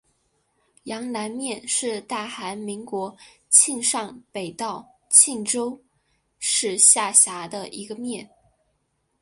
阳南面是大韩民国庆尚北道庆州市下辖的一个面。